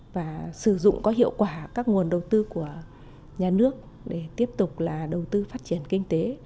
và sử dụng có hiệu quả các nguồn đầu tư của nhà nước để tiếp tục là đầu tư phát triển kinh tế